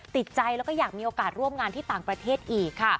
ติดใจแล้วก็อยากมีโอกาสร่วมงานอีก